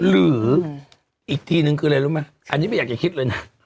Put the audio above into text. สอีกทีนึงอันนี้ไม่อยากจะคิดเลยนะ